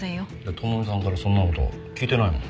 朋美さんからそんな事聞いてないもん。